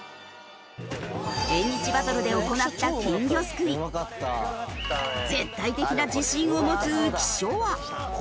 縁日バトルで行った絶対的な自信を持つ浮所は。